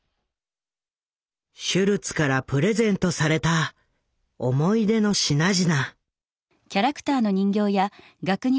シュルツからプレゼントされた思い出の品々。